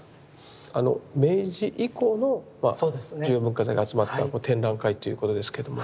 あの明治以降の重要文化財が集まった展覧会ということですけども。